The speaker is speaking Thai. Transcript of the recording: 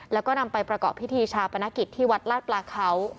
แล้วก็นำไปประกอบพิธีชาปนกิจที่วัดลาดปลาเขา